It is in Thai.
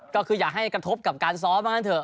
ก็คืออย่าให้กระทบกับการซ้อมบ้างกันเถ